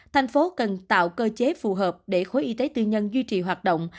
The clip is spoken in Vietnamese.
thành phố cần tạo cơ chế phù hợp để khối y tế tư nhân duy trì hoạt động